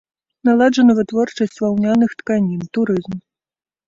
Наладжана вытворчасць ваўняных тканін, турызм.